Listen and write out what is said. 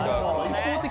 一方的。